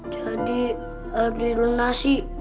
jadi ada ilmu nasi